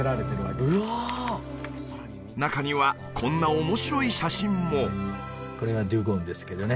中にはこんな面白い写真もこれがジュゴンですけどね